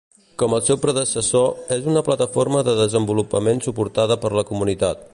Com el seu predecessor, és una plataforma de desenvolupament suportada per la comunitat.